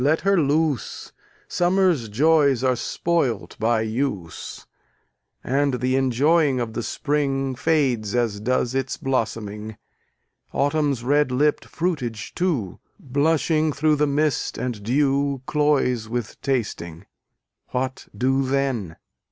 let her loose; Summer's joys are spoilt by use, And the enjoying of the Spring Fades as does its blossoming: Autumn's red lipp'd fruitage too, Blushing through the mist and dew, Cloys with tasting: What do then?